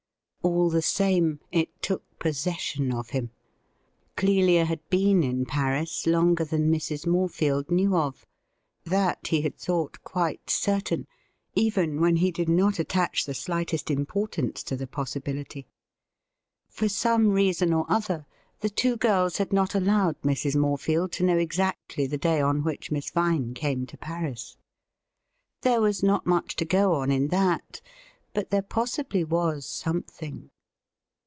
^1 the same, it took possession of hini. Clelia ha4 118 THE RIDDLE RING been in Paris longer than Mrs. Morefield knew of ; that he had thought quite certain, even when he did not attach the slightest importance to the possibility. For some reason or other the two girls had not allowed Mrs. Moi'e fieM to know exactly the day on which Miss Vine came to Paris. There was not much to go on in that — but there possibly was something.